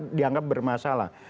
yang dianggap bermasalah